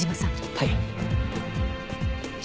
はい。